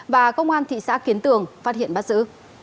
và công an thị xã kiến tường phát hiện bắt giữ